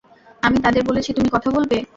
আমি তাদের বলেছি, তুমি কথা বলবে।